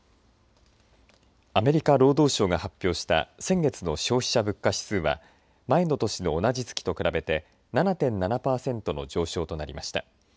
アメリカ労働省が発表した先月の消費者物価指数は前の年の同じ月と比べて７．７パーセントの上昇となりました。